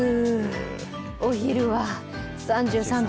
お昼は３３度。